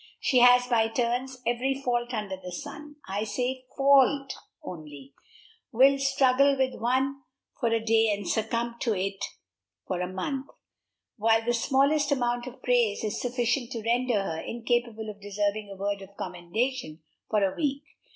She has by turns every fault under the sun, I say fault only; will struggle with one for a day, and succumb to it for a month; while the smallest amount of praise is sufficient to render her incapable of deserving a word of commendation for a week.